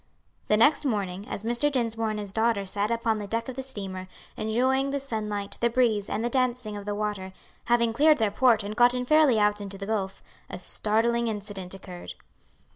The next morning, as Mr. Dinsmore and his daughter sat upon the deck of the steamer, enjoying the sunlight, the breeze, and the dancing of the water, having cleared their port and gotten fairly out into the gulf, a startling incident occurred.